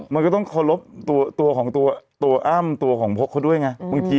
มันก็ต้องเคารพตัวของตัวอ้ำตัวของพกเขาด้วยไง